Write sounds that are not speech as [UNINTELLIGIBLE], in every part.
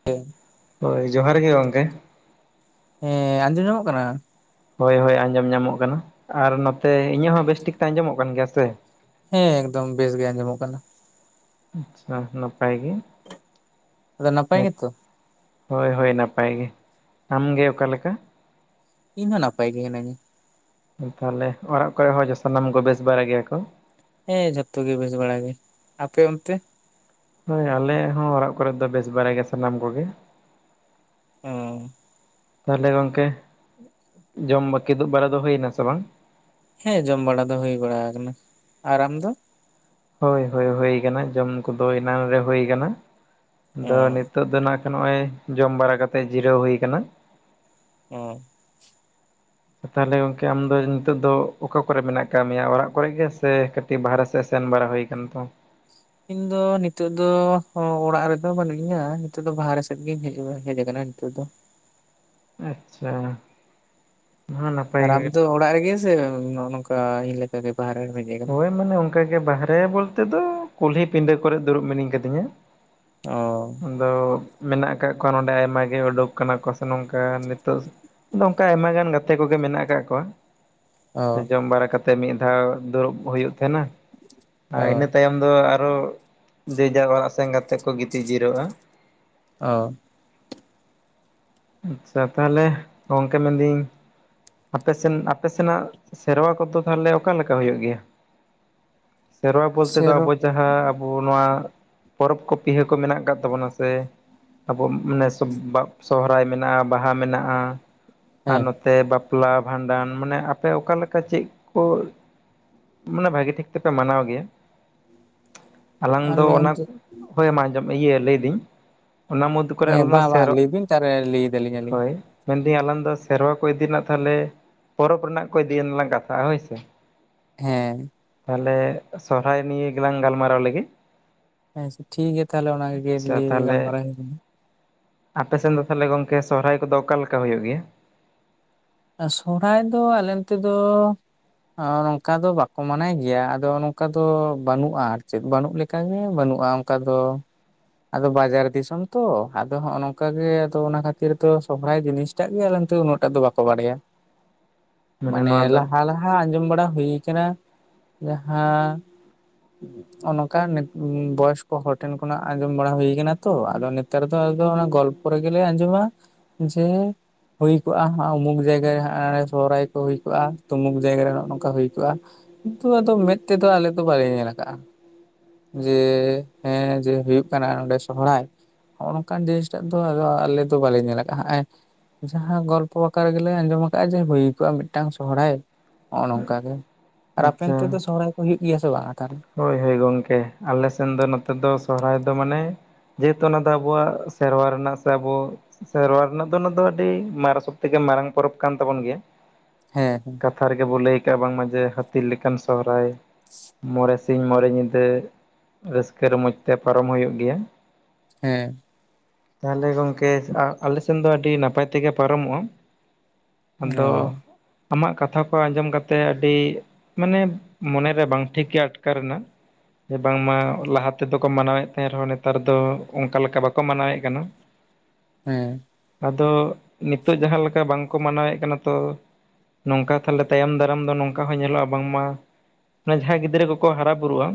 [INAUDIBLE] ᱦᱳᱭ ᱡᱚᱦᱟᱨ ᱜᱮ ᱜᱚᱝᱠᱮ᱾ ᱦᱮᱸ ᱟᱸᱡᱚᱢ ᱧᱟᱢᱚᱜ ᱠᱟᱱᱟ? ᱦᱳᱭ ᱦᱳᱭ ᱟᱸᱡᱚᱢ ᱧᱟᱢᱚᱜ ᱠᱟᱱᱟ, ᱟᱨ ᱱᱚᱛᱮ ᱤᱧᱟᱹᱜ ᱦᱚᱸ ᱵᱮᱥᱴᱷᱤᱠ ᱛᱮ ᱟᱸᱡᱚᱢᱚᱜ ᱠᱟᱱ ᱜᱮᱭᱟ ᱥᱮ? ᱦᱮᱸ ᱮᱠᱫᱚᱢ ᱵᱮᱥ ᱜᱮ ᱟᱸᱡᱚᱢᱚᱜ ᱠᱟᱱᱟ᱾ ᱟᱪᱪᱷᱟ ᱱᱟᱯᱟᱭ ᱜᱮ᱾ ᱟᱫᱚ ᱱᱟᱯᱟᱭ ᱜᱮᱛᱚ? ᱦᱳᱭ ᱦᱳᱭ ᱱᱟᱯᱟᱭ ᱜᱮ᱾ ᱟᱢ ᱜᱮ ᱚᱠᱟᱞᱮᱠᱟ? ᱤᱧ ᱦᱚᱸ ᱱᱟᱯᱟᱭ ᱜᱮ ᱦᱤᱱᱟᱹᱧᱟ᱾ ᱛᱟᱦᱚᱞᱮ ᱚᱲᱟᱜ ᱠᱚᱨᱮ ᱦᱚᱸ ᱥᱟᱱᱟᱢ ᱠᱚ ᱵᱮᱥ ᱵᱟᱲᱟᱭ ᱜᱮᱭᱟ ᱠᱚ? ᱦᱮᱸ ᱡᱷᱚᱛᱚ ᱜᱮ ᱵᱮᱥ ᱵᱟᱲᱟ ᱜᱮ᱾ ᱟᱯᱮ ᱚᱱᱛᱮ? ᱦᱳᱭ ᱟᱞᱮ ᱦᱚᱸ ᱚᱲᱟᱜ ᱠᱚᱨᱮ ᱫᱚ ᱵᱮᱥ ᱵᱟᱲᱟ ᱜᱮ ᱥᱟᱱᱟᱢ ᱠᱚᱜᱮ᱾ [UNINTELLIGIBLE] ᱛᱟᱦᱚᱞᱮ ᱜᱚᱝᱠᱮ ᱡᱚᱢ ᱵᱟᱠᱤᱫᱩᱜ ᱵᱟᱲᱟ ᱫᱚ ᱦᱩᱭᱱᱟ ᱥᱮ ᱵᱟᱝ? ᱦᱮᱸ ᱡᱚᱢ ᱵᱟᱲᱟ ᱫᱚ ᱦᱩᱭ ᱵᱟᱲᱟ ᱟᱠᱟᱱᱟ᱾ ᱟᱨ ᱟᱢ ᱫᱚ? ᱦᱳᱭ ᱦᱳᱭ ᱦᱩᱭ ᱟᱠᱟᱱᱟ ᱡᱚᱢ ᱠᱚᱫᱚ ᱮᱱᱟᱱ ᱨᱮ ᱦ ᱟᱠᱟᱱᱟ ᱚ ᱟᱫᱚ ᱱᱤᱛᱳ ᱫᱚ ᱛᱚ ᱱᱚᱜᱼᱚᱭ ᱡᱚᱢ ᱵᱟᱲᱟ ᱠᱟᱛᱮᱮᱫ ᱡᱤᱨᱟᱹᱣ ᱦᱩᱭ ᱠᱟᱱᱟ᱾ ᱦᱚᱸ᱾ ᱛᱟᱦᱚᱞᱮ ᱜᱚᱝᱠᱮ ᱟᱢ ᱫᱚ ᱱᱤᱛᱚᱜ ᱫᱚ ᱚᱠᱟ ᱠᱚᱨᱮ ᱢᱮᱱᱟᱜ ᱟᱠᱟᱫ ᱢᱮᱭᱟ ᱚᱲᱟᱜ ᱠᱚᱨᱮ ᱜᱮ ᱥᱮ ᱠᱟᱹᱤᱡ ᱵᱟᱨᱦᱮ ᱥᱮᱫ ᱥᱮᱱ ᱵᱟᱲᱟ ᱦᱩᱭ ᱟᱠᱟᱱ ᱛᱚ? ᱤᱧ ᱫᱚ ᱱᱤᱛᱚᱜ ᱫᱚ ᱚᱲᱟᱜ ᱨᱮᱫᱚ ᱵᱟᱹᱱᱩᱜ ᱤᱧᱟ, ᱱᱤᱛᱚᱜ ᱫᱚ ᱵᱟᱨᱦᱮ ᱥᱮᱫ ᱜᱮᱤᱧ ᱦᱤᱡᱩᱜᱼᱟ᱾ ᱦᱮᱡᱸ ᱠᱟᱱᱟ ᱱᱤᱛ ᱫᱚ᱾ ᱟᱪᱪᱷᱟ᱾ ᱦᱚᱸ ᱱᱟᱯᱟᱭ ᱟᱨ ᱜᱮ ᱟᱢ ᱫᱚ ᱚᱲᱟᱜ ᱨᱮᱜᱮ ᱥᱮ ᱱᱚᱝᱠᱟ ᱤᱧ ᱞᱮᱠᱟ ᱵᱟᱦᱚᱨᱮ ᱨᱮ? ᱦᱳᱭ ᱢᱟᱱᱮ ᱚᱱᱠᱟᱜᱮ ᱵᱟᱦᱨᱮ ᱵᱚᱞᱛᱮ ᱫᱚ ᱠᱩᱞᱦᱤ ᱯᱤᱸᱰᱟᱹ ᱠᱚᱨᱮᱮᱫ ᱫᱩᱲᱩᱵ ᱢᱤᱱᱟᱹᱧ ᱠᱟᱫᱤᱧᱟ᱾ ᱚ᱾ ᱟᱫᱚ ᱢᱮᱱᱟᱜ ᱟᱠᱟᱫ ᱠᱚᱣᱟ ᱱᱚᱰᱮ ᱟᱭᱢᱟᱜ ᱜᱮ ᱩᱰᱩᱠ ᱟᱠᱟᱱᱟ ᱠᱚ ᱥᱮ ᱱᱚᱝᱠᱟ ᱱᱤᱛᱚᱜ ᱚᱱᱠᱟ ᱟᱭᱢᱟ ᱜᱟᱱ ᱜᱟᱛᱮ ᱠᱚᱜᱮ ᱢᱮᱱᱟᱜ ᱟᱠᱟᱫ ᱠᱚᱣᱟ᱾ ᱚ ᱡᱚᱢ ᱵᱟᱲᱟ ᱠᱟᱛᱮ ᱢᱤᱫ ᱫᱷᱟᱣ ᱫᱩᱲᱩᱵ ᱦᱩᱭᱩᱜ ᱛᱟᱦᱮᱱᱟ ᱟᱨ ᱚ ᱤᱱᱟᱹ ᱛᱟᱭᱚᱢ ᱟ ᱫᱚ ᱟᱨᱚ ᱡᱮᱡᱟᱨ ᱚᱲᱟᱜ ᱥᱮᱱ ᱠᱟᱛᱮᱮᱫ ᱠᱚ ᱜᱤᱛᱤᱡᱤᱡᱤᱨᱟᱹᱜᱼᱟ᱾ ᱚ᱾ ᱟᱪᱪᱷᱟ ᱛᱟᱦᱚᱞᱮ ᱜᱚᱝᱠᱮ ᱢᱮᱱᱫᱟᱹᱧ ᱟᱯᱮᱥᱱ ᱟᱯ ᱥᱮᱱᱟᱜ ᱥᱮᱨᱣᱟ ᱠᱚᱫᱚ ᱛᱟᱦᱚᱞᱮ ᱚᱠᱟᱞ ᱞᱮᱠᱟ ᱦᱩᱭᱩᱜ ᱜᱮᱭᱟ? ᱥᱮᱮᱨᱣᱟ ᱵᱚᱞᱞᱛᱮ ᱫᱚ ᱥᱮᱨᱚ ᱟᱵᱚᱪ ᱡᱟᱦᱟᱸ ᱟᱵᱚ ᱱᱚᱣᱟ ᱯᱚᱨᱚᱵᱽ ᱠᱚ ᱯᱤᱦᱟᱹ ᱠᱚ ᱢᱮᱱᱟᱜ ᱟᱠᱟᱫ ᱛᱟᱵᱚᱱᱟ ᱥᱮ ᱟᱵᱚ ᱱᱮᱥ ᱥᱚᱨᱦᱟᱭ ᱢᱮᱱᱟᱜᱼᱟ ᱵᱟᱦᱟ ᱢᱮᱱᱟᱜᱼᱟ ᱟᱨ ᱦᱮᱸ ᱛᱮ ᱵᱟᱯᱞᱟ ᱵᱷᱟᱸᱰᱟᱱ ᱢᱟᱱᱮ ᱟᱯᱮ ᱚᱠᱟᱮ ᱞᱮᱠᱟ ᱪᱮᱫ ᱠᱚ ᱢᱟᱱᱮ ᱵᱷᱟᱜᱤ ᱴᱷᱤᱠ ᱛᱮᱯᱮ ᱢᱟᱱᱟᱣ ᱜᱮᱭᱟ ᱟᱞᱟᱝ ᱫᱚ ᱟᱞᱮ ᱚᱱᱟ ᱚᱱᱛᱮ ᱦᱳᱭ ᱢᱟᱚᱢ ᱤᱭᱟᱹ ᱞᱟᱹᱭᱫᱟᱹᱧ ᱚᱱᱟ ᱢᱩᱚᱫᱽᱮ ᱦᱮᱸ ᱵᱟᱝ ᱵᱟᱝ ᱞᱟᱹᱭ ᱵᱤᱱ ᱛᱟᱦᱚᱞᱮ ᱞᱟᱹᱭ ᱫᱟᱞᱤᱧ ᱟᱹᱞᱤᱧ ᱦᱳᱭ ᱢᱮᱱᱫᱟᱹᱧ ᱟᱞᱝ ᱫᱚ ᱥᱮᱨᱣᱟ ᱠᱚ ᱤᱫᱤ ᱨᱮᱱᱟᱜ ᱛᱟᱦᱚᱞᱮ ᱯᱚᱨᱚᱵᱽ ᱨᱮᱱᱟᱜ ᱠᱚᱭ ᱫᱤᱭᱤᱱᱞᱟᱝ ᱠᱟᱛᱷᱟᱼᱟ ᱦᱳᱭ ᱥᱮᱮ ᱦᱮᱸ ᱛᱟᱦᱚᱞᱮ ᱥᱚᱨᱦᱟᱭ ᱱᱤᱭ ᱜᱮᱞᱟᱝ ᱜᱟᱞᱢᱟᱨᱟᱣ ᱞᱟᱹᱜᱤᱫ ᱟᱪᱸᱪᱷᱟ ᱴᱷᱤᱠ ᱜᱮᱭᱟ ᱛᱟᱦᱚᱞᱮ ᱚᱱᱟᱜᱮ ᱟᱪᱪᱷᱟ ᱞᱟᱹᱭ ᱜᱟᱞᱢᱟᱨᱟᱣ ᱦᱩᱭᱱᱟ ᱟᱯᱮᱥᱮᱫ ᱫᱚ ᱛᱟᱦᱚᱞᱮ ᱜᱚᱝᱠᱮ ᱥᱚᱦᱦᱟᱭ ᱠᱚᱫᱚ ᱚᱠᱟᱞᱮ ᱞᱮᱠᱟ ᱦᱩᱭᱩᱜ ᱜᱮᱭᱟ? ᱟᱨ ᱥᱚᱨᱦᱟᱭ ᱫᱚ ᱟᱞᱮ ᱛᱮᱫᱚ ᱱᱚᱝᱠᱟ ᱫᱚ ᱵᱟᱠᱚ ᱢᱟᱱᱟᱭ ᱜᱮᱭᱟ ᱟᱫᱚ ᱱᱚᱝᱠᱟ ᱫᱚ ᱵᱟᱹᱱᱩᱜᱼᱟ ᱟᱨ ᱪᱮᱫ ᱵᱟᱹᱱᱩᱜ ᱞᱮᱠᱟ ᱚᱱᱠᱟᱜ ᱜᱮ ᱵᱟᱹᱱᱩᱜᱼᱟ ᱚᱱᱠᱟ ᱫᱚ ᱟᱫᱚ ᱵᱟᱡᱟᱨ ᱫᱤᱥᱚᱢ ᱛᱚ ᱟᱫᱚ ᱦᱚᱸᱜᱚ ᱱᱚᱝᱠᱟᱟᱜᱮ ᱟᱫᱚ ᱚᱱᱟ ᱠᱷᱟᱛᱤᱨ ᱛᱚ ᱥᱚᱦᱨᱟᱭ ᱡᱤᱱᱤᱥ ᱮᱴᱟᱜ ᱜᱮ ᱟᱞᱛᱮ ᱩᱱᱟᱹᱜᱴᱟᱜ ᱫᱚ ᱵᱟᱠᱚ ᱵᱟᱲᱟᱭᱟ ᱢᱟᱱᱮ ᱱᱚᱣᱟ ᱫᱚ ᱞᱟᱦᱟ ᱞᱟᱦᱟ ᱡᱟᱦᱟᱸ ᱟᱸᱡᱚᱢ ᱵᱟᱲᱟ ᱦᱩᱭ ᱟᱠᱟᱱᱟ ᱡᱟᱦᱟᱸ ᱜ ᱱᱚᱝᱠᱟ ᱵᱚᱭᱚᱥ ᱠᱚ ᱦᱚᱲ ᱴᱷᱮᱱ ᱠᱷᱚᱱᱟᱜ ᱟᱸᱡᱚᱢ ᱵᱟᱲᱟ ᱦᱩᱭ ᱟᱠᱟᱱᱟ ᱛᱚ ᱟᱫᱚ ᱱᱮᱛᱟᱨ ᱫᱚ ᱟᱫᱚ ᱚᱱᱟ ᱜᱚᱞᱯᱚ ᱯᱚᱨᱮ ᱜᱮᱞᱮ ᱟᱸᱡᱚᱢᱟ ᱡᱮ ᱦᱩᱭ ᱠᱚᱜᱼᱟ ᱩᱢᱩᱠ ᱡᱟᱭᱜᱟ ᱨᱮ ᱥᱚᱦᱟᱭ ᱠᱚ ᱦᱩᱭ ᱠᱚᱜᱼᱟ ᱩᱢᱩᱠ ᱡᱟᱭᱜᱟᱮ ᱱᱚᱜᱼ ᱱᱚᱝᱠᱟ ᱦᱩᱭ ᱠᱚᱜᱼᱟ ᱠᱤᱱᱛᱩ ᱟᱫᱚ ᱢᱮᱫ ᱛᱮᱫᱚ ᱟᱞᱮ ᱫᱚ ᱵᱟᱞᱮ ᱧᱮᱞ ᱟᱠᱟᱟᱜᱼᱟ ᱡᱮ ᱦᱮᱸ ᱡᱮ ᱦᱳᱜ ᱠᱟᱱᱟ ᱱᱚᱸᱰᱮ ᱥᱚᱨᱦᱟᱭ ᱜᱚ ᱱᱚᱝᱠᱟᱱ ᱡᱤᱱᱤᱥᱴᱟᱜ ᱫᱚ ᱟᱞᱮ ᱫᱚ ᱵᱟᱞᱮ ᱧᱮᱞ ᱠᱟᱜᱼᱟ ᱦᱮ ᱡᱟᱦᱟᱸ ᱜᱚᱞᱚ ᱟᱛᱚ ᱟᱠᱠᱟ ᱨᱮᱜᱮᱞᱮ ᱟᱸᱡᱚᱢ ᱟᱠᱟᱟᱜᱼᱟ ᱡᱮ ᱦᱩᱭ ᱠᱚᱜᱼᱟ ᱢᱤᱫᱴᱟᱝ ᱥᱚᱦᱦᱟᱭ ᱱᱚᱜᱼᱚ ᱱᱚᱝᱠᱟ ᱜᱮ ᱟᱨ ᱦᱟᱯᱮᱱ ᱟᱪᱪᱷᱟ ᱛᱮᱫᱚ ᱥᱚᱦᱦᱟᱭ ᱠᱚ ᱦᱩᱭᱩᱜ ᱜᱮᱭᱟ ᱥᱮ ᱵᱟᱝᱟ ᱠᱟᱨ ᱦᱳᱭ ᱦᱳᱭ ᱜᱚᱢᱠᱮ ᱟᱞᱮ ᱥᱮᱱ ᱫᱚ ᱱᱚᱛᱮ ᱫᱚ ᱥᱚᱦᱦᱟᱭ ᱫᱚ ᱢᱟᱱᱮ ᱡᱮᱦᱮᱛᱩ ᱚᱱᱟ ᱫᱚ ᱟᱵᱚᱣᱟᱜ ᱥᱮᱨᱣᱟ ᱨᱮᱱᱟᱜ ᱥᱮ ᱟᱵᱚ ᱥᱮᱨᱣᱟ ᱨᱮᱱᱟᱜ ᱫᱚ ᱱᱚᱣᱟ ᱫᱚ ᱟᱹᱰᱤ ᱢᱟᱨᱟᱝ ᱥᱚᱵ ᱛᱷᱮᱠᱮ ᱢᱟᱨᱟᱝ ᱯᱚᱨᱚᱵᱽ ᱠᱟᱱ ᱛᱟᱵᱚᱱ ᱜᱮᱭᱟ ᱦᱮᱸ ᱠᱟᱛᱷᱟ ᱨᱮᱜᱮ ᱵᱚ ᱞᱟᱹᱭ ᱠᱟᱜᱼᱟ ᱵᱟᱝᱢᱟ ᱡᱮ ᱦᱟᱹᱛᱤ ᱞᱮᱠᱟᱱ ᱥᱚᱦᱨᱟᱭ ᱢᱚᱬᱮ ᱥᱤᱧ ᱢᱚᱬᱮ ᱧᱤᱫᱟᱹ ᱨᱟᱹᱥᱠᱟᱹ ᱨᱚᱢᱚᱡᱽ ᱛᱮ ᱯᱟᱨᱚᱢ ᱦᱩᱭᱩᱜ ᱜᱮᱭᱟ ᱦᱮᱸ ᱛᱟᱦᱚᱞᱮ ᱜᱚᱝᱠᱮ ᱟᱞᱮᱥᱮᱱ ᱫᱚ ᱟᱹᱰᱤ ᱱᱟᱯᱟᱭ ᱛᱮᱜᱮ ᱯᱟᱨᱚᱢᱚᱜᱼᱟ ᱟᱫᱚ ᱚ ᱟᱢᱟᱜ ᱠᱟᱛᱷᱟ ᱠᱚ ᱟᱸᱡᱚᱢ ᱠᱟᱛᱮ ᱟᱹᱰᱤ ᱢᱟᱱᱮ ᱢᱚᱱᱮᱨᱮ ᱵᱟᱝ ᱴᱷᱤᱠ ᱟᱴᱠᱟᱨ ᱨᱮᱱᱟ ᱵᱟᱝᱢᱟ ᱞᱟᱦᱟ ᱛᱮᱫᱚ ᱢᱟᱱᱟᱣᱮᱫ ᱛᱟᱦᱮᱸ ᱨᱮᱦᱚᱸ ᱱᱮᱛᱟᱨ ᱫᱚ ᱚᱱᱠᱟ ᱞᱮᱠᱟ ᱵᱟᱠᱚ ᱢᱟᱱᱟᱣᱮᱫ ᱠᱟᱱᱟ ᱦᱮᱸ ᱟᱫᱚ ᱱᱤᱛᱚᱜ ᱡᱟᱦᱟᱸ ᱞᱮᱠᱟ ᱵᱟᱝᱠᱚ ᱢᱟᱱᱟᱣᱮᱫ ᱠᱟᱱᱟ ᱛᱚ ᱱᱚᱝᱠᱟ ᱛᱟᱦᱚᱞᱮ ᱛᱟᱭᱚᱢ ᱫᱟᱨᱟᱢ ᱫᱚ ᱱᱚᱝᱠᱟ ᱦᱚᱸ ᱧᱮᱞᱚᱜᱼᱟ ᱵᱟᱝᱢᱟ ᱡᱟᱦᱟᱸᱭ ᱜᱤᱫᱽᱨᱟᱹ ᱠᱚ ᱠᱚ ᱦᱟᱨᱟ ᱵᱩᱨᱩᱜᱼᱟ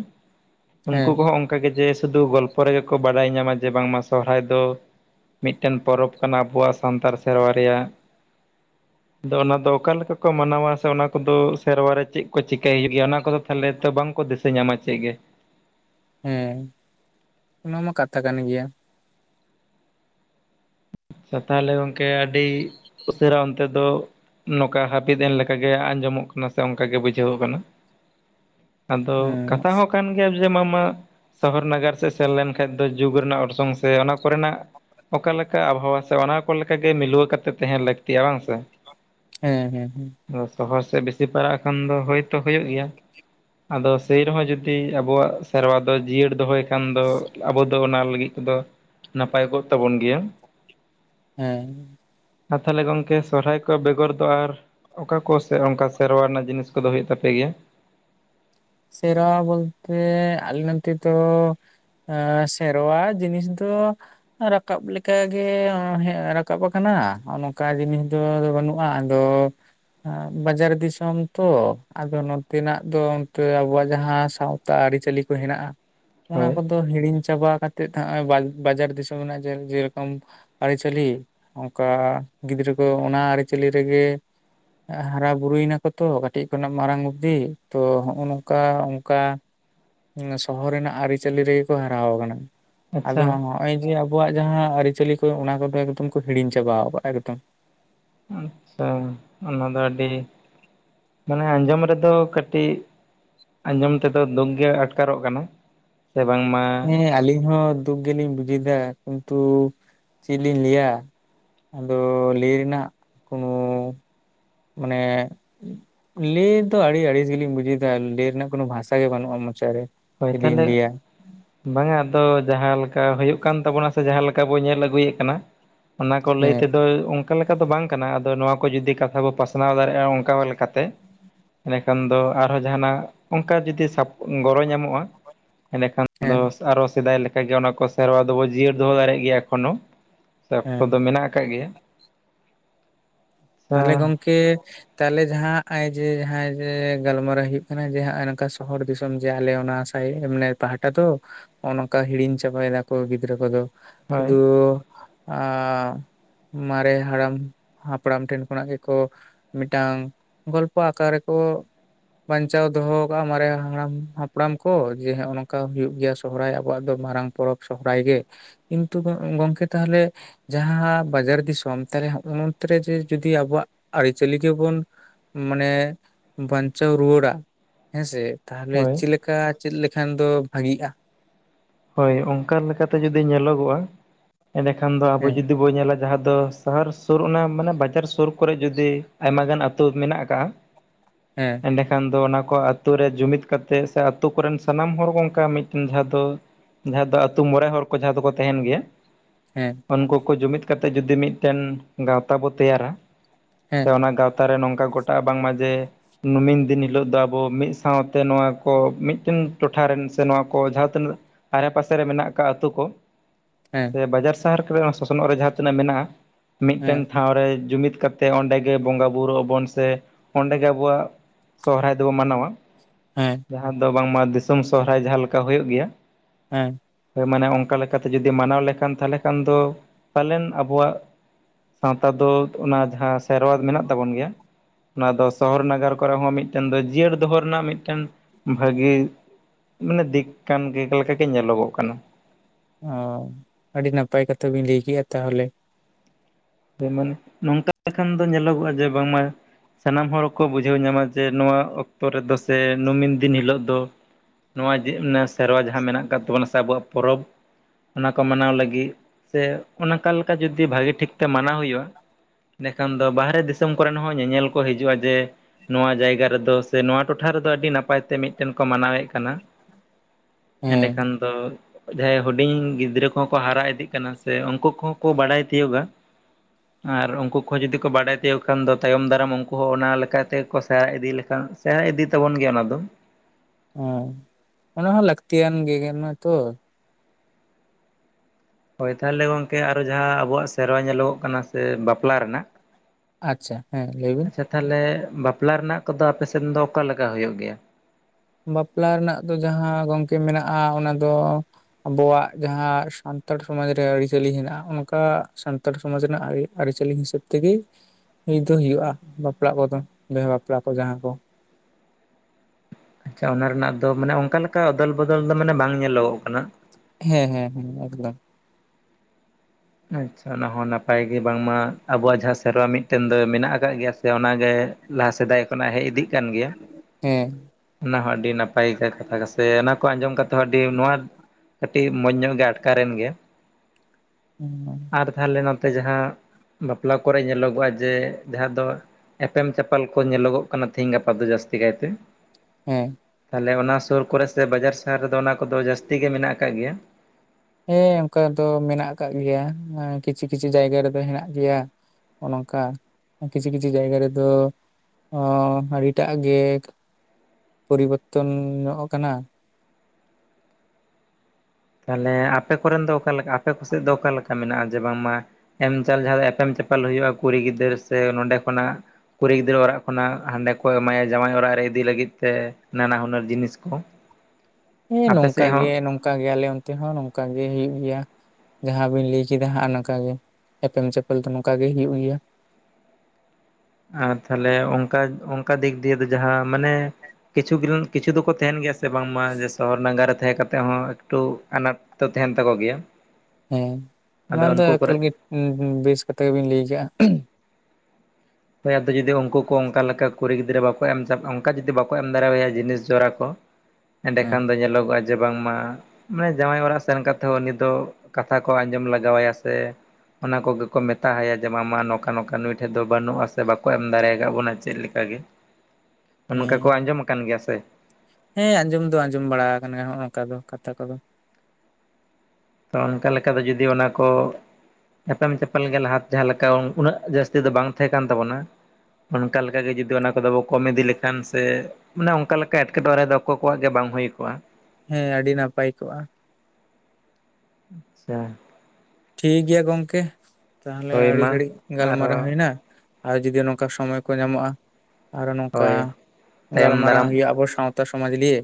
ᱩᱱᱠᱩ ᱦᱮᱸ ᱠᱚᱦᱚᱸ ᱚᱱᱠᱟᱜᱮ ᱡᱮ ᱥᱩᱫᱷᱩ ᱜᱚᱞᱯᱚ ᱨᱮᱜᱮ ᱠᱚ ᱵᱟᱰᱟᱭ ᱧᱟᱢᱟ ᱡᱮ ᱵᱟᱝᱢᱟ ᱥᱚᱦᱨᱟᱭ ᱫᱚ ᱢᱤᱫᱴᱮᱱ ᱯᱚᱨᱚᱵᱽ ᱠᱟᱱᱟ ᱟᱵᱚᱣᱟᱜ ᱥᱟᱱᱛᱟᱲ ᱥᱮᱨᱣᱟ ᱨᱮᱭᱟᱜ [INAUDIBLE] ᱟᱫᱚ ᱚᱱᱟ ᱫᱚ ᱚᱠᱟ ᱞᱮᱠᱟ ᱠᱚ ᱢᱟᱱᱟᱣᱟ ᱥᱮ ᱚᱱᱟ ᱠᱚᱫᱚ ᱥᱮᱨᱣᱟ ᱨᱮ ᱪᱮᱫ ᱠᱚ ᱪᱤᱠᱟᱹᱭ ᱦᱩᱭᱩᱜ ᱜᱮᱭᱟ ᱚᱱᱟ ᱠᱚᱫᱚ ᱛᱟᱦᱚᱞᱮ ᱛᱚ ᱵᱟᱝ? ᱫᱤᱥᱟᱹ ᱧᱟᱢᱟ ᱪᱮᱫ ᱜᱮ ᱦᱮᱸ ᱚᱱᱟ ᱢᱟ ᱠᱟᱛᱷᱟ ᱠᱟᱱ ᱜᱮᱭᱟ ᱾ ᱛᱟᱦᱚᱞᱮ ᱜᱚᱝᱠᱮ ᱟᱹᱰᱤ ᱩᱥᱟᱹᱨᱟ ᱚᱱᱛᱮ ᱫᱚ ᱱᱚᱝᱠᱟ ᱦᱟᱹᱯᱤᱫ ᱮᱱ ᱞᱮᱠᱟ ᱜᱮ ᱟᱸᱡᱚᱢᱚᱜ ᱠᱟᱱᱟ ᱥᱮ ᱚᱱᱠᱟ ᱜᱮ ᱵᱩᱡᱷᱟᱹᱣ ᱠᱟᱱᱟ᱾ [INAUDIBLE] ᱟᱫᱚ ᱦᱮᱸ ᱠᱟᱛᱷᱟ ᱦᱚᱸ ᱠᱟᱱ ᱜᱮᱭᱟ ᱡᱮ ᱵᱟᱝ ᱢᱟ ᱥᱚᱦᱚᱨ ᱱᱟᱜᱟᱨ ᱥᱮᱫ ᱥᱮᱱ ᱞᱮᱱ ᱠᱷᱟᱡ ᱫᱚ ᱡᱩᱜᱽ ᱨᱮᱱᱟᱜ ᱚᱨᱥᱚᱝ ᱥᱮ ᱚᱱᱟ ᱠᱚᱨᱮᱱᱟᱜ ᱚᱠᱟ ᱞᱮᱠᱟ ᱟᱵᱚᱦᱟᱣᱟ ᱥᱮ ᱚᱱᱟ ᱠᱚ ᱞᱮᱠᱟᱜᱮ ᱢᱤᱞᱟᱹᱣ ᱠᱟᱛᱮᱜ ᱛᱟᱦᱮᱱ ᱞᱟᱹᱠᱛᱤᱜ ᱟ ᱵᱟᱝ ᱥᱮ᱾ ᱦᱮᱸᱻ ᱦᱮᱸᱻ ᱥᱚᱦᱚᱨ ᱥᱮᱫ ᱵᱤᱥᱤ ᱯᱟᱲᱟᱜ ᱠᱷᱟᱱ ᱫᱚ ᱦᱳᱭᱛᱳ ᱦᱳᱭᱳᱜ ᱜᱮᱭᱟ᱾ ᱟᱫᱚ ᱥᱮᱭ ᱨᱮᱦᱚᱸ ᱡᱩᱫᱤ ᱟᱵᱚᱣᱟᱜ ᱥᱮᱨᱣᱟ ᱫᱚᱭ ᱡᱤᱭᱟᱹᱲ ᱫᱚᱦᱚᱭ ᱠᱷᱟᱱ ᱫᱚ ᱟᱵᱚ ᱫᱚ ᱚᱱᱟ ᱞᱟᱹᱜᱤᱫ ᱠᱚᱫᱚ ᱱᱟᱯᱟᱭ ᱠᱚᱜ ᱛᱟᱵᱚᱱ ᱜᱮᱭᱟ᱾ ᱦᱮᱸᱻ ᱟᱨ ᱛᱟᱦᱚᱞᱮ ᱜᱚᱝᱠᱮ ᱥᱚᱨᱦᱟᱭ ᱠᱚᱣᱟᱜ ᱵᱮᱜᱚᱨ ᱫᱚ ᱟᱨ ᱚᱠᱟ ᱠᱚ ᱥᱮᱫ ᱚᱱᱠᱟ ᱥᱮᱨᱣᱟ ᱨᱮᱱᱟᱜ ᱡᱤᱱᱤᱥ ᱠᱚᱫᱚ ᱦᱩᱭᱩᱜ ᱛᱟᱯᱮ ᱜᱮᱭᱟ? ᱥᱮᱨᱣᱟ ᱵᱚᱞᱛᱮ ᱟᱞᱮ ᱱᱚᱛᱮ ᱫᱚ ᱮᱸᱻ ᱥᱮᱨᱣᱟ ᱡᱤᱱᱤᱥ ᱫᱚ ᱨᱟᱠᱟᱵ ᱞᱮᱠᱟ ᱜᱮ ᱨᱟᱠᱟᱵ ᱟᱠᱟᱱᱟ ᱱᱚᱝᱠᱟ ᱜᱮ ᱡᱤᱱᱤᱥ ᱫᱚ ᱵᱟᱹᱱᱩᱜ᱾ ᱟᱫᱚ ᱵᱟᱡᱟᱨ ᱫᱤᱥᱚᱢ ᱛᱚ ᱟᱫᱚ ᱱᱚᱛᱮᱱᱟᱜ ᱫᱚ᱾ ᱛᱚ ᱟᱵᱚᱣᱟᱜ ᱡᱟᱦᱟᱸ ᱥᱟᱶᱛᱟ ᱟᱹᱨᱤᱪᱟᱹᱞᱤ ᱠᱚ ᱦᱮᱱᱟᱜᱼᱟ᱾ ᱚᱱᱟ ᱦᱳᱭ ᱠᱚᱫᱚ ᱫᱚ ᱦᱤᱲᱤᱧ ᱪᱟᱵᱟ ᱠᱟᱛᱮᱫ ᱦᱟᱹᱜ ᱵᱟᱡᱟᱨ ᱫᱤᱥᱚᱢ ᱨᱮᱱᱟᱜ ᱡᱮ ᱡᱮ ᱨᱚᱠᱚᱢ ᱟᱹᱨᱤᱪᱟᱹᱞᱤ ᱚᱱᱠᱟ ᱜᱤᱫᱽᱨᱟᱹ ᱠᱚ ᱚᱱᱟ ᱟᱹᱨᱤᱪᱟᱹᱞᱤ ᱨᱮᱜᱮ ᱦᱟᱨᱟ ᱵᱩᱨᱩᱭᱱᱟᱠᱚ ᱛᱚ ᱠᱟᱹᱴᱤᱡᱽ ᱠᱷᱚᱱᱟᱜ ᱢᱟᱨᱟᱝ ᱩᱵᱫᱷᱤ ᱛᱚ᱾ ᱱᱚᱝᱠᱟ ᱚᱱᱠᱟ ᱥᱚᱦᱚᱨ ᱨᱮᱱᱟᱜ ᱟᱹᱨᱤ ᱪᱟᱹᱞᱤ ᱨᱮᱜᱮ ᱠᱚ ᱦᱟᱨᱟ ᱟᱠᱟᱱᱟ᱾ ᱟᱫᱚ ᱟᱪᱪᱷᱟ ᱦᱚᱜᱸᱚᱭ ᱡᱮ ᱟᱵᱚᱣᱟᱜ ᱡᱟᱦᱟᱸ ᱟᱹᱨᱤ ᱪᱟᱹᱞᱤ ᱠᱚ ᱚᱱᱟ ᱠᱚᱫᱚ ᱮᱠᱫᱚᱢ ᱠᱚ ᱦᱤᱲᱤᱧ ᱪᱟᱵᱟᱣ ᱠᱟᱜᱼᱟ ᱮᱠᱫᱚᱢ᱾ ᱟᱸᱪᱪᱷᱟ ᱚᱱᱟ ᱫᱚ ᱟᱹᱰᱤ ᱢᱟᱱᱮ ᱟᱸᱡᱚᱢ ᱨᱮᱫᱚ ᱠᱟᱹᱴᱤᱡᱽ ᱟᱸᱡᱚᱢ ᱛᱮᱫᱚ ᱫᱩᱠ ᱜᱮ ᱟᱴᱠᱟᱨᱚᱜ ᱠᱟᱱᱟ ᱥᱮ ᱵᱟᱝᱢᱟ ᱦᱮᱸᱻ ᱟᱹᱞᱤᱧ ᱦᱚᱸ ᱫᱩᱠ ᱜᱮᱞᱤᱧ ᱵᱩᱡᱮᱫᱟ ᱠᱤᱱᱛᱩ ᱪᱮᱫ ᱞᱤᱧ ᱞᱟᱹᱭᱟ᱾ ᱟᱫᱚ ᱞᱟᱹᱭ ᱨᱮᱱᱟᱜ ᱠᱚ ᱢᱟᱱᱮᱻ ᱞᱮᱭ ᱫᱚ ᱟᱹᱰᱤ ᱟᱹᱲᱤᱥ ᱜᱮᱞᱤᱧ ᱵᱩᱡᱮᱫᱟ ᱞᱮᱟᱹᱭ ᱨᱮᱱᱟᱜ ᱠᱳᱱᱚ ᱵᱷᱟᱥᱟ ᱜᱮ ᱵᱟᱹᱱᱩᱜᱼᱟ ᱢᱚᱪᱟᱨᱮ᱾ ᱦᱳᱭ ᱪᱮᱫᱞᱤᱧ ᱛᱟᱦᱚᱞᱮ᱾ ᱞᱟᱹᱭᱟ ᱵᱟᱝᱼᱟ ᱟᱫᱚ ᱡᱟᱦᱟᱸᱞᱮᱠᱟ ᱦᱩᱭᱩᱜ ᱠᱟᱱ ᱛᱟᱵᱚᱱᱟ ᱥᱮ ᱡᱟᱦᱟᱸᱞᱮᱠᱟ ᱵᱚᱱ ᱧᱮᱞ ᱟᱹᱜᱩᱭᱮᱫ ᱠᱟᱱᱟ᱾ ᱚᱱᱟ ᱠᱚ ᱞᱟᱹᱭ ᱦᱮᱸ ᱛᱮᱫᱚ ᱚᱱᱠᱟ ᱞᱮᱠᱟ ᱫᱚ ᱵᱟᱝ ᱠᱟᱱᱟ ᱟᱫᱚ ᱱᱚᱹᱣᱟ ᱠᱚ ᱡᱩᱫᱤ ᱠᱟᱛᱷᱟ ᱵᱚ ᱯᱟᱥᱱᱟᱣ ᱫᱟᱲᱮᱭᱟᱜᱼᱟ ᱚᱱᱠᱟ ᱞᱮᱠᱟᱹᱛᱮ ᱮᱸᱰᱮ ᱠᱷᱟᱱ ᱫᱚ ᱟᱨᱦᱚᱸ ᱡᱟᱦᱟᱱᱟᱜ ᱚᱱᱠᱟ ᱡᱩᱫᱤ ᱥᱟᱯ ᱜᱚᱨᱚ ᱧᱟᱢᱚᱜ᱾ [INAUDIBLE] ᱮᱰᱮᱸᱠᱷᱟᱱ ᱫᱚ ᱦᱮᱸ ᱟᱨᱦᱚ ᱥᱮᱫᱟᱭ ᱞᱮᱠᱟᱜᱮ ᱚᱱᱟ ᱠᱚ ᱥᱮᱨᱣᱟ ᱫᱚ ᱵᱚᱱ ᱡᱤᱭᱟᱹᱲ ᱫᱚᱦᱚᱸ ᱫᱟᱲᱮᱭᱟᱜ ᱜᱮᱭᱟ ᱮᱠᱷᱚᱱᱳ ᱚᱠᱛᱚ ᱦᱮᱸ ᱫᱚ ᱢᱮᱱᱟᱜ ᱟᱠᱟᱫ ᱜᱮᱭᱟ᱾ ᱛᱟᱦᱚᱸᱞᱮ ᱟᱪᱪᱷᱟ ᱜᱚᱝᱠᱮ᱾ ᱛᱟᱦᱞᱮ ᱡᱟᱦᱟ ᱟᱭ ᱡᱮ ᱡᱟᱦᱟᱭ ᱡᱮ ᱜᱟᱞ ᱢᱟᱨᱟᱣ ᱦᱩᱭᱩᱜ ᱠᱟᱱᱟ ᱡᱮ ᱱᱚᱝᱠᱟ ᱥᱚᱦᱚᱨ ᱫᱩᱥᱚᱢ ᱡᱮ ᱟᱞᱮ ᱚᱱᱟ ᱦᱟᱭ ᱮ ᱢᱟᱱᱮ ᱯᱟᱦᱟᱴᱟ ᱛᱚ ᱱᱚᱝᱠᱟ ᱦᱤᱲᱤᱧ ᱪᱟᱵᱟᱭ ᱫᱟᱠᱚ ᱜᱤᱫᱽᱨᱟᱹ ᱠᱚᱫᱚ᱾ ᱦᱳᱭ ᱥᱩᱫᱩ ᱟᱸᱜ ᱢᱟᱨᱮ ᱦᱟᱲᱟᱢ᱾ ᱦᱟᱯᱲᱟᱢ ᱴᱷᱮᱱ ᱠᱷᱚᱱᱟᱜ ᱜᱮᱠᱚ ᱢᱤᱫᱴᱟᱝ ᱜᱚᱞᱯᱚ ᱟᱠᱟᱣ ᱨᱮᱠᱚ ᱵᱟᱧᱪᱟᱣ ᱫᱚᱦᱚ ᱠᱟᱜᱼᱟ ᱢᱟᱨᱮ ᱦᱟᱲᱟᱢ ᱦᱟᱯᱲᱟᱢ ᱠᱚ ᱡᱮ ᱦᱚᱜᱼᱚ ᱱᱚᱝᱠᱟ ᱦᱩᱭᱩᱜ ᱜᱮᱭᱟ ᱥᱚᱨᱦᱟᱭ ᱟᱵᱚᱣᱟᱜ ᱫᱚ ᱢᱟᱨᱟᱝ ᱯᱚᱨᱚᱵ ᱥᱚᱦᱚᱨᱟᱭ ᱜᱮ᱾ ᱠᱤᱱᱸᱛᱩ ᱜᱚᱝᱠᱮ ᱛᱟᱦᱚᱞᱮ ᱡᱟᱦᱟ ᱵᱟᱡᱟᱨ ᱫᱤᱥᱚᱢ ᱛᱟᱦᱚᱞᱮ ᱦᱚᱸ ᱚᱸᱜ ᱛᱨᱮ ᱡᱮ ᱡᱩᱚᱫᱤ ᱟᱵᱚᱣᱟᱜ ᱟᱹᱨᱤᱪᱟᱹᱞᱤ ᱜᱮ ᱵᱚᱱ ᱢᱟᱱᱮ ᱵᱟᱧᱪᱟᱣ ᱨᱩᱣᱟᱹᱲᱟᱜ ᱦᱮᱸᱥᱮ᱾ ᱛᱟᱦᱚᱞᱮ ᱦᱳᱭ ᱪᱮᱫ ᱞᱮᱠᱟ ᱪᱮᱫ ᱞᱮᱠᱷᱟᱱ ᱫᱚ ᱵᱷᱟᱜᱤᱜᱼᱟ᱾ ᱦᱳᱭ ᱚᱱᱠᱟ ᱞᱮᱠᱟᱛᱮ ᱡᱩᱫᱤ ᱧᱮᱞᱚᱜᱚᱜᱼᱟ ᱮᱱᱰᱮᱠᱷᱟᱱ ᱫᱚ ᱟᱵᱚ ᱦᱮᱸ ᱡᱩᱫᱤ ᱵᱚᱱ ᱧᱮᱞᱟ ᱡᱟᱦᱟᱸ ᱫᱚ ᱥᱟᱦᱟᱨ ᱥᱩᱨ ᱚᱱᱟᱹ ᱢᱟᱹᱱᱮ ᱵᱟᱡᱟᱨ ᱥᱩᱨ ᱠᱚᱨᱮᱹ ᱡᱩᱫᱤ ᱟᱭᱢᱟᱹ ᱜᱟᱱ ᱟᱹᱛᱩ ᱢᱮᱱᱟᱜ ᱟᱠᱟᱫᱼᱟ ᱦᱮᱸ ᱮᱸᱰᱮᱠᱷᱟᱱ ᱫᱚ ᱚᱱᱟᱹ ᱠᱚᱛᱳ ᱨᱮ ᱡᱩᱢᱤᱫ ᱠᱟᱛᱮᱼᱜ ᱥᱮ ᱟᱛᱳ ᱠᱚᱨᱮᱱ ᱥᱟᱱᱟᱢ ᱦᱚᱲᱚᱱᱠᱟ ᱢᱤᱫᱴᱮᱱ ᱡᱟᱦᱟ ᱫᱚ ᱡᱟᱦᱟᱸ ᱫᱚ ᱟᱛᱳ ᱢᱚᱬᱮ ᱦᱚᱲ ᱠᱚ ᱡᱟᱦᱟᱸ ᱫᱚᱠᱚ ᱛᱟᱦᱮᱸᱱ ᱜᱮᱭᱟ᱾ ᱦᱮᱸ ᱩᱱᱠᱩ ᱠᱚ ᱡᱩᱢᱤᱫ ᱠᱟᱹᱛᱮ ᱡᱩᱫᱤ ᱢᱤᱫᱴᱮᱱ ᱜᱟᱶᱛᱟᱹ ᱵᱚ ᱛᱮᱭᱟᱨᱟ ᱦᱮᱸ ᱥᱮ ᱚᱱᱟᱹ ᱜᱟᱶ ᱛᱟᱨ ᱨᱮ ᱱᱚᱝᱠᱟ ᱜᱚᱴᱟᱜᱼᱟ ᱵᱟᱝᱢᱟ ᱡᱮ ᱱᱢᱤᱱᱫᱤᱱ ᱦᱤᱞᱳᱜ ᱫᱚ ᱟᱵᱚ ᱢᱤᱫ ᱥᱟᱶᱛᱮ ᱱᱚᱣᱟ ᱠᱚ ᱢᱤᱫᱴᱮᱱ ᱴᱚᱴᱷᱟ ᱨᱮᱱ ᱥᱮ ᱱᱚᱹᱣᱟ ᱠᱚ ᱡᱟᱦᱟ ᱛᱤᱱᱟᱹᱜ ᱟᱨᱮ ᱯᱟᱥᱮ ᱨᱮ ᱢᱮᱱᱟᱜ ᱠᱟᱫ ᱟᱛᱩᱳ ᱠᱚ ᱦᱮᱸ ᱥᱮ ᱵᱟᱡᱟᱨ ᱥᱟᱦᱟᱨ ᱠᱚᱨᱮ ᱥᱚᱥᱱᱚᱜ ᱨᱮ ᱡᱟᱦᱟᱸ ᱛᱤᱱᱟᱜ ᱢᱮᱱᱟᱜᱼᱟ ᱢᱤᱫᱴᱮᱱ ᱦᱮᱸ ᱴᱷᱟᱶ ᱨᱮ ᱡᱩᱢᱤᱫ ᱠᱟᱹᱛᱮ ᱚᱸᱰᱮ ᱜᱮ ᱵᱚᱸᱜᱟ ᱵᱩᱨᱩᱜ ᱟᱵᱚᱱ ᱥᱮ ᱚᱸᱰᱮᱜ ᱟᱵᱚᱣᱟᱜ ᱥᱚᱦᱚᱨᱟᱭ ᱫᱚ ᱵᱚᱱ ᱢᱟᱱᱟᱣᱟ᱾ ᱦᱮᱸ ᱡᱟᱦᱟᱸ ᱫᱚ ᱵᱟᱝᱢᱟ ᱵᱟᱝᱹᱢᱟ ᱫᱤᱥᱚᱢ ᱥᱚᱦᱚᱨᱭ ᱡᱟᱦᱟᱸ ᱞᱮᱠᱟ ᱦᱩᱭᱩᱜ ᱜᱮᱭᱟ᱾ ᱦᱮᱸ ᱦᱮᱭ ᱢᱟᱱᱮ ᱚᱱᱠᱟᱹ ᱞᱮᱠᱟᱹᱛᱮ ᱡᱩᱫᱤ ᱢᱟᱱᱟᱣ ᱞᱮᱠᱷᱟᱱ ᱛᱟᱦᱚᱞᱮ ᱠᱷᱟᱱ ᱫᱚ ᱯᱟᱞᱮᱱ ᱟᱵᱚᱣᱟᱜ ᱥᱟᱶᱛᱟ ᱫᱚ ᱚᱱᱟ ᱡᱟᱦᱟᱸ ᱥᱮᱨᱣᱟ ᱢᱮᱱᱟᱜ ᱛᱟᱵᱚᱱ ᱜᱮᱭᱟ᱾ ᱚᱱᱟ ᱫᱚ ᱥᱚᱦᱚᱨ ᱱᱟᱜᱟᱨ ᱠᱚᱨᱮ ᱦᱚᱸ ᱢᱤᱫ ᱢᱤᱫᱴᱮᱱ ᱫᱚ ᱡᱤᱭᱟᱹᱲ ᱫᱚᱦᱚ ᱨᱮᱱᱟᱜ ᱢᱤᱫᱴᱮᱱ ᱵᱷᱟᱜᱤ ᱢᱟᱱᱮ ᱫᱤᱠ ᱠᱟᱱ ᱜᱮ ᱞᱮᱠᱟ ᱜᱮ ᱧᱮᱞᱚᱜᱚᱜ ᱠᱟᱱᱟ᱾ ᱚᱸ ᱟᱹᱰᱤ ᱱᱟᱯᱟᱼᱭ ᱠᱟᱛᱷᱟ ᱵᱤᱱ ᱞᱟᱹᱭ ᱠᱮᱫᱼᱟ ᱛᱟᱦᱚᱞᱮ᱾ ᱡᱮᱢᱚᱱ ᱱᱚᱝᱠᱟ ᱞᱮᱠᱷᱟᱱ ᱫᱚ ᱧᱮᱞᱚᱜᱚᱜᱼᱟ ᱡᱮ ᱵᱟᱝᱢᱟ ᱥᱟᱱᱟᱢ ᱦᱚᱲ ᱠᱚ ᱵᱩᱡᱷᱟᱹᱣ ᱧᱟᱢᱟ ᱡᱮ ᱱᱚᱣᱟ ᱚᱠᱛᱚ ᱨᱮᱫᱚ ᱥᱮ ᱱᱢᱤᱱ ᱫᱤᱱ ᱦᱤᱞᱳᱜ ᱫᱚ ᱱᱚᱹᱣᱟ ᱡᱮ ᱥᱮᱨᱣᱟ ᱡᱟᱦᱟᱸ ᱢᱮᱱᱟᱜ ᱟᱠᱟᱫ ᱛᱟᱵᱚᱱᱟ ᱥᱮ ᱟᱵᱚᱣᱟᱜ ᱯᱚᱨᱚᱵᱽ ᱚᱱᱟ ᱠᱚ ᱢᱟᱱᱟᱣᱟ ᱞᱟᱹᱜᱤᱫ ᱥᱮ ᱚᱱᱠᱟᱹ ᱞᱮᱠᱟ ᱡᱚᱫᱤ ᱵᱷᱟᱹᱜᱤ ᱴᱷᱤᱠ ᱛᱮ ᱢᱟᱱᱟᱣᱟ ᱦᱩᱭᱩᱜᱼᱟ᱾ ᱮᱸᱰᱮᱸᱠᱷᱟᱱ ᱫᱚ ᱵᱟᱦᱨᱮ ᱫᱤᱥᱚᱢ ᱠᱚᱨᱮᱱ ᱦᱚ ᱧᱮᱧᱮᱞ ᱠᱚ ᱦᱤᱡᱩᱜᱼᱟ ᱡᱮ ᱱᱚᱣᱟ ᱡᱟᱭᱜᱟ ᱨᱮᱫᱚ ᱥᱮ ᱱᱚᱣᱟ ᱴᱚᱴᱷᱟ ᱨᱮᱫᱚ ᱟᱹᱰᱤ ᱱᱟᱯᱟᱭ ᱛᱮ ᱢᱤᱫᱴᱮᱱ ᱠᱚ ᱢᱟᱱᱟᱣᱮᱫ ᱠᱟᱱᱟ᱾ ᱦᱮᱸ ᱮᱸᱰᱮᱸᱠᱷᱟᱱ ᱫᱚ ᱡᱟᱦᱟᱸᱭ ᱦᱩᱰᱤᱧ ᱜᱤᱫᱽᱨᱟᱹ ᱠᱚᱦᱚ ᱠᱚ ᱦᱟᱨᱟ ᱤᱫᱤᱜ ᱠᱟᱱᱟ ᱥᱮ ᱩᱱᱠᱩ ᱠᱚᱦᱚ ᱠᱚ ᱵᱟᱲᱟᱭ ᱛᱤᱭᱳᱚᱜᱟ, ᱟᱨ ᱩᱱᱠᱩ ᱠᱚᱦᱚ ᱡᱩᱫᱤ ᱠᱚ ᱵᱟᱰᱟᱭ ᱛᱤᱭᱳᱜ ᱠᱷᱟᱱ ᱫᱚ ᱛᱟᱭᱚᱢ ᱫᱟᱨᱟᱢ ᱩᱱᱠᱩ ᱦᱚ ᱚᱱᱟ ᱞᱮᱠᱟ ᱛᱮᱠᱚ ᱥᱮᱬᱟ ᱤᱫᱤ ᱞᱮᱠᱷᱟᱱ ᱥᱮᱬᱟ ᱤᱫᱤ ᱛᱟᱵᱚᱱ ᱜᱮᱭᱟ ᱚᱱᱟ ᱫᱚ᱾ ᱚ ᱚᱱᱟ ᱦᱚᱸ ᱞᱟᱹᱠᱛᱤᱭᱟᱱ ᱜᱮ ᱠᱟᱱᱟ ᱛᱚ᱾ ᱦᱳᱭ ᱛᱟᱦᱞᱮ ᱜᱚᱝᱠᱮ ᱟᱨᱚ ᱡᱟᱦᱟᱸ ᱟᱵᱚᱣᱟᱜ ᱥᱮᱨᱣᱟ ᱧᱮᱞᱚᱜᱚᱜ ᱠᱟᱱᱟ ᱥᱮ ᱵᱟᱯᱞᱟ ᱨᱮᱱᱟᱜ ᱟᱪᱪᱷᱟ ᱦᱮᱸ ᱞᱟᱹᱭᱵᱤᱱ᱾ ᱛᱟᱦᱞᱮ ᱵᱟᱯᱞᱟ ᱨᱮᱱᱟᱜ ᱠᱚᱫᱚ ᱟᱯᱮᱥᱮᱱ ᱫᱚ ᱚᱠᱟ ᱞᱮᱠᱟ ᱦᱩᱭᱩᱜ ᱜᱮᱭᱟ? ᱵᱟᱯᱞᱟ ᱨᱮᱱᱟᱜ ᱫᱚ ᱡᱟᱸᱦᱟᱸ ᱜᱚᱝᱠᱮ ᱢᱮᱱᱟᱜᱼᱟ ᱚᱱᱟ ᱫᱚ ᱟᱵᱚᱣᱟᱜ ᱡᱟᱸᱦᱟᱸ ᱥᱟᱱᱛᱟᱲ ᱥᱚᱢᱟᱡᱽ ᱨᱮ ᱟᱹᱨᱤᱪᱟᱹᱞᱤ ᱦᱮᱱᱟᱜᱼᱟ ᱚᱱᱠᱟ ᱥᱟᱱᱛᱟᱲ ᱥᱚᱢᱟᱡᱽ ᱨᱮᱱᱟᱜ ᱟᱨᱤ ᱟᱨᱤᱪᱟᱞᱤ ᱦᱤᱥᱟᱹᱵᱽ ᱛᱮᱜᱮ ᱦᱩᱭ ᱫᱚ ᱦᱩᱭᱩᱜᱼᱟ ᱵᱟᱯᱞᱟ ᱠᱚᱫᱚ ᱵᱤᱦᱟ ᱵᱟᱯᱞᱟ ᱠᱚ ᱡᱟᱦᱟᱸ ᱠᱚ᱾ ᱟᱪᱪᱷᱟ ᱚᱱᱟ ᱨᱮᱱᱟᱜ ᱫᱚ ᱢᱟᱱᱮ ᱚᱱᱠᱟ ᱞᱮᱠᱟ ᱚᱫᱚᱞ ᱵᱚᱫᱚᱞ ᱫᱚ ᱢᱟᱱᱮ ᱵᱟᱝ ᱧᱮᱞᱚᱜᱚᱜ ᱠᱟᱱᱟ᱾ ᱦᱮᱸ ᱦᱮᱸ ᱦᱮᱸ ᱮᱠᱫᱚᱢ᱾ ᱟᱪᱪᱷᱟ ᱚᱱᱟ ᱦᱚᱸ ᱱᱟᱯᱟᱭ ᱜᱮ ᱵᱟᱝᱢᱟ ᱟᱵᱚᱣᱟᱜ ᱡᱟᱦᱟᱸ ᱥᱮᱨᱣᱟ ᱢᱤᱫᱴᱮᱱ ᱫᱚ ᱢᱮᱱᱟᱜ ᱟᱠᱟᱫ ᱜᱮᱭᱟ ᱥᱮ ᱚᱱᱟᱜᱮ ᱞᱟᱦᱟ ᱥᱮᱫᱟᱭ ᱠᱷᱚᱱᱟᱜ ᱦᱮᱡ ᱤᱫᱤᱜ ᱠᱟᱱ ᱜᱮᱭᱟ ᱦᱮᱸ ᱚᱱᱟ ᱦᱚᱸ ᱟᱹᱰᱤ ᱱᱟᱯᱟᱭ ᱠᱟᱛᱷᱟ ᱥᱮ ᱚᱱᱟ ᱠᱚ ᱟᱸᱡᱚᱢ ᱠᱟᱛᱮᱜ ᱦᱚᱸ ᱟᱹᱰᱤ ᱱᱚᱣᱟ ᱠᱟᱹᱴᱤᱡ ᱢᱚᱸᱡᱽ ᱧᱚᱜ ᱜᱮ ᱟᱴᱠᱟᱨᱮᱱ ᱜᱮ᱾ ᱟᱨ ᱛᱟᱦᱞᱮ ᱱᱚᱛᱮ ᱡᱟᱸᱦᱟᱸ ᱵᱟᱯᱞᱟ ᱠᱚᱨᱮ ᱧᱮᱞᱚᱜᱚᱜᱼᱟ ᱡᱮ ᱡᱟᱸᱦᱟᱸ ᱫᱚ ᱮᱯᱮᱢ ᱪᱟᱯᱟᱞ ᱠᱚ ᱧᱮᱞᱚᱜᱚᱜ ᱠᱟᱱᱟ ᱛᱤᱦᱤᱧ ᱜᱟᱯᱟ ᱫᱚ ᱡᱟᱥᱛᱤ ᱠᱟᱭᱛᱮ᱾ ᱦᱮᱸ ᱛᱟᱦᱞᱮ ᱚᱱᱟ ᱥᱩᱨ ᱠᱚᱨᱮ ᱥᱮ ᱵᱟᱡᱟᱨ ᱥᱟᱦᱟᱨ ᱨᱮᱫᱚ ᱚᱱᱟ ᱠᱚᱫᱚ ᱡᱟᱹᱥᱛᱤ ᱜᱮ ᱢᱮᱱᱟᱜ ᱟᱠᱟᱫ ᱜᱮᱭᱟ? ᱦᱮᱸ ᱚᱱᱠᱟ ᱫᱚ ᱢᱮᱱᱟᱜ ᱟᱠᱟᱜ ᱜᱮᱭᱟ ᱠᱤᱪᱷᱩ ᱠᱤᱪᱷᱩ ᱡᱟᱭᱜᱟ ᱨᱮᱫᱚ ᱦᱮᱱᱟᱜ ᱜᱮᱭᱟ᱾ ᱚᱱᱚᱝᱠᱟ ᱠᱤᱪᱷᱩ ᱠᱤᱪᱷᱩ ᱡᱟᱭᱜᱟ ᱨᱮᱫᱚ ᱚ ᱟᱰᱤᱴᱟᱜ ᱜᱮ ᱯᱚᱨᱤᱵᱚᱨᱛᱚᱱ ᱧᱚᱜ ᱟᱠᱟᱱᱟ᱾ ᱛᱟᱦᱞᱮ ᱟᱯᱮ ᱠᱚᱨᱮᱱ ᱫᱚ ᱚᱠᱟ ᱞᱮᱠᱟ ᱟᱯᱮ ᱠᱚᱥᱮᱫ ᱫᱚ ᱚᱠᱟ ᱞᱮᱠᱟ ᱢᱮᱱᱟᱜᱼᱟ ᱡᱮ ᱵᱟᱝᱢᱟ ᱮᱢ ᱪᱟᱞ ᱡᱟᱸᱦᱟᱸ ᱫᱚ ᱮᱯᱮᱢ ᱪᱟᱯᱟᱞ ᱦᱩᱭᱩᱜᱼᱟ ᱠᱩᱲᱤ ᱜᱤᱫᱟᱹᱨ ᱥᱮ ᱱᱚᱸᱰᱮ ᱠᱷᱚᱱᱟᱜ ᱠᱩᱲᱤ ᱜᱤᱫᱽᱨᱟᱹ ᱚᱲᱟᱜ ᱠᱷᱚᱱᱟᱜ ᱦᱟᱸᱰᱮ ᱠᱚ ᱮᱢᱟᱭᱟ ᱡᱟᱶᱟᱭ ᱚᱲᱟᱜ ᱨᱮ ᱤᱫᱤ ᱞᱟᱹᱜᱤᱫ ᱛᱮ ᱱᱟᱱᱟ ᱦᱩᱱᱟᱹᱨ ᱡᱤᱱᱤᱥ ᱠᱚ ᱦᱮᱸ ᱟᱯᱮ ᱱᱚᱝᱠᱟ ᱥᱮᱫ ᱜᱮ ᱦᱚᱸ ᱱᱚᱝᱠᱟ ᱜᱮ ᱟᱞᱮ ᱚᱱᱛᱮ ᱦᱚᱸ ᱱᱚᱝᱠᱟ ᱜᱮ ᱦᱩᱭᱩᱜ ᱜᱮᱭᱟ ᱡᱟᱸᱦᱟᱸ ᱵᱤᱱ ᱞᱟᱹᱭ ᱠᱮᱫᱟ ᱦᱟᱸᱜ ᱱᱚᱝᱠᱟ ᱜᱮ ᱮᱯᱮᱢ ᱪᱟᱯᱟᱞ ᱫᱚ ᱱᱚᱝᱠᱟ ᱜᱮ ᱦᱩᱭᱩᱜ ᱜᱮᱭᱟ ᱟᱨ ᱛᱟᱦᱞᱮ ᱚᱱᱠᱟ ᱚᱱᱠᱟ ᱫᱤᱠ ᱫᱤᱭᱮ ᱫᱚ ᱡᱟᱸᱦᱟᱸ ᱢᱟᱱᱮ ᱠᱤᱪᱷᱩ ᱜᱤᱞᱟᱹᱱ ᱠᱤᱪᱷᱩ ᱫᱚᱠᱚ ᱛᱟᱦᱮᱱ ᱜᱮᱭᱟ ᱥᱮ ᱵᱟᱝᱢᱟ ᱡᱮ ᱥᱚᱦᱚᱨ ᱱᱟᱸᱜᱟᱨ ᱨᱮ ᱛᱟᱸᱦᱮᱸ ᱠᱟᱛᱮᱜ ᱦᱚᱸ ᱮᱠᱴᱩ ᱟᱱᱟᱴ ᱫᱚ ᱛᱟᱦᱮᱱ ᱛᱟᱠᱚ ᱜᱮᱭᱟ ᱦᱮᱸ ᱚᱱᱟ ᱟᱫᱚ ᱫᱚ ᱩᱱᱠᱩ ᱠᱚᱨᱮ ᱮᱠᱟᱞ ᱜᱮ ᱵᱮᱥ ᱠᱟᱛᱷᱟ ᱜᱮᱵᱤᱱ ᱞᱟᱹᱭ ᱠᱟᱜᱼᱟ ᱦᱳᱭ ᱟᱫᱚ ᱡᱩᱫᱤ ᱩᱝᱠᱩ ᱠᱚ ᱚᱝᱠᱟ ᱞᱮᱠᱟ ᱠᱩᱲᱤ ᱜᱤᱫᱽᱨᱟᱹ ᱵᱟᱠᱚ ᱮᱢ ᱪᱟᱯᱟ ᱚᱝᱠᱟ ᱡᱩᱫᱤ ᱵᱟᱠᱚ ᱮᱢ ᱫᱟᱲᱮᱣᱟᱭᱟ ᱡᱤᱱᱤᱥ ᱡᱚᱲᱟ ᱠᱚ [UNINTELLIGIBLE] ᱮᱸᱰᱮᱠᱷᱟᱱ ᱫᱚ ᱧᱮᱞᱚᱜᱚᱜᱼᱟ ᱡᱮ ᱵᱟᱝᱢᱟ ᱢᱟᱱᱮ ᱡᱟᱶᱟᱭ ᱚᱲᱟᱜ ᱥᱮᱱ ᱠᱟᱛᱮ ᱦᱚᱸ ᱩᱱᱤ ᱫᱚ ᱠᱟᱛᱷᱟ ᱠᱚ ᱟᱸᱡᱚᱢ ᱞᱟᱜᱟᱣᱟᱭᱟ ᱥᱮ ᱚᱱᱟ ᱠᱚᱜᱮ ᱠᱚ ᱢᱮᱛᱟ ᱟᱭᱟ ᱡᱮ ᱵᱟᱝ ᱢᱟ ᱱᱚᱝᱠᱟ ᱱᱚᱝᱠᱟ ᱱᱩᱭ ᱴᱷᱮᱡ ᱫᱚ ᱵᱟᱹᱱᱩᱜᱼᱟ ᱥᱮ ᱵᱟᱠᱚ ᱮᱢ ᱫᱟᱲᱮ ᱟᱠᱟᱫ ᱵᱚᱱᱟ ᱪᱮᱫ ᱞᱮᱠᱟ ᱜᱤ ᱚᱱᱠᱟ ᱦᱮᱸ ᱠᱚ ᱟᱸᱡᱚᱢ ᱟᱠᱟᱱ ᱜᱮᱭᱟ ᱥᱮ ᱦᱮᱸ ᱟᱸᱡᱚᱢ ᱫᱚ ᱟᱸᱡᱚᱢ ᱵᱟᱲᱟ ᱟᱠᱟᱱᱟ ᱱᱚᱜᱼᱚ ᱱᱚᱝᱠᱟ ᱫᱚ ᱠᱟᱛᱷᱟ ᱠᱚᱫᱚ ᱛᱚ ᱚᱱᱠᱟ ᱞᱮᱠᱟ ᱫᱚ ᱡᱩᱫᱤ ᱚᱱᱟ ᱠᱚ ᱮᱯᱮᱢ ᱪᱟᱯᱟᱞ ᱜᱮ ᱞᱟᱦᱟ ᱡᱟᱸᱦᱟᱸ ᱞᱮᱠᱟ ᱩᱱᱟᱹᱜ ᱡᱟᱥᱛᱤ ᱫᱚ ᱵᱟᱝ ᱛᱟᱦᱮᱸ ᱠᱟᱱ ᱛᱟᱵᱚᱱᱟ ᱚᱱᱠᱟ ᱞᱮᱠᱟ ᱜᱮ ᱡᱩᱫᱤ ᱚᱱᱟ ᱠᱚᱫᱚ ᱵᱚ ᱠᱚᱢ ᱤᱫᱤ ᱞᱮᱠᱷᱟᱱ ᱥᱮ ᱢᱟᱱᱮ ᱚᱝᱠᱟ ᱞᱮᱠᱟ ᱮᱴᱠᱮ ᱴᱚᱬᱮ ᱫᱚ ᱟᱠᱚ ᱠᱚᱣᱟᱜ ᱜᱮ ᱵᱟᱝ ᱦᱩᱭ ᱠᱚᱜᱼᱟ ᱦᱮᱸ ᱟᱹᱰᱤ ᱱᱟᱯᱟᱭ ᱠᱚᱜᱼᱟ ᱟᱪᱪᱷᱟ ᱴᱷᱤᱠ ᱜᱮᱭᱟ ᱜᱚᱝᱠᱮ ᱛᱟᱦᱞᱮ ᱦᱳᱭ ᱟᱹᱰᱤ ᱢᱟ ᱜᱷᱟᱹᱲᱤᱡ ᱜᱟᱞᱢᱟᱨᱟᱣ ᱟᱨᱦᱚᱸ ᱦᱩᱭ ᱮᱱᱟ ᱟᱨ ᱡᱩᱫᱤ ᱱᱚᱝᱠᱟ ᱥᱚᱢᱚᱭ ᱠᱚ ᱧᱟᱢᱚᱜᱼᱟ ᱟᱨᱚ ᱱᱚᱝᱠᱟ ᱦᱳᱭ ᱛᱟᱭᱚᱢ ᱜᱟᱞᱢᱟᱨᱟᱣ ᱫᱟᱨᱟᱢ ᱦᱩᱭᱩᱜᱼᱟ ᱟᱵᱚ ᱥᱟᱶᱛᱟ ᱥᱚᱢᱟᱡ ᱞᱤᱭᱮ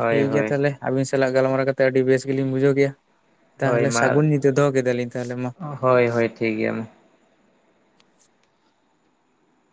ᱴᱷᱤᱠ ᱜᱮᱭᱟ ᱦᱳᱭ ᱛᱟᱞᱮ ᱟᱹᱵᱤᱱ ᱥᱟᱞᱟᱜ ᱜᱟᱞᱢᱟᱨᱟᱣ ᱠᱟᱛᱮᱫ ᱟᱰᱤ ᱵᱮᱥ ᱜᱮᱞᱤᱧ ᱵᱩᱡᱷᱟᱹᱣ ᱠᱮᱭᱟ ᱦᱳᱭ ᱛᱟᱦᱞᱮ ᱢᱟ ᱥᱟᱜᱩᱱ ᱧᱤᱫᱟᱹ ᱫᱚᱦᱚ ᱠᱮᱫᱟᱞᱤᱧ ᱛᱟᱦᱞᱮ ᱢᱟ ᱦᱳᱭ ᱦᱳᱭ ᱴᱷᱤᱠ ᱜᱮᱭᱟ ᱢᱟ